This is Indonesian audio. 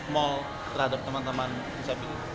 mal terhadap teman teman bisa begitu